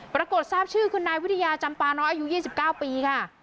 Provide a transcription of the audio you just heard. ปรากฏทราบชื่อคือนายวิทยาจำปาน้อยอายุ๒๙ปีค่ะ